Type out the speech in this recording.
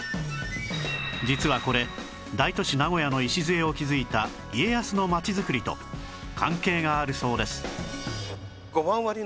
実はこれ大都市名古屋の礎を築いた家康の町づくりと関係があるそうです